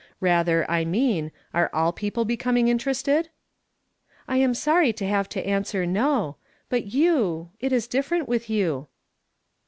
Rather, I mean, are all people becoming interested?" " I am sorry to have to answer no ; but you it is different with you."